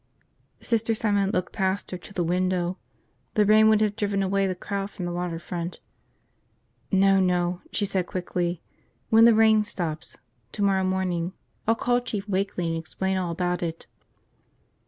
Sister Simon looked past her to the window. The rain would have driven away the crowd from the water front. "No, no," she said quickly, "when the rain stops. Tomorrow morning. I'll call Chief Wakeley and explain all about it."